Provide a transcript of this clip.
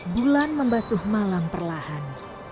bulan membasuh malam perlahan